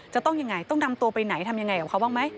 จะต้องยังไงต้องนำตัวไปไหนทำยังไงกับเขาบ้างไหม